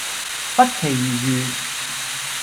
不期而遇